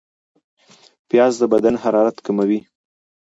پیاز د بدن حرارت کموي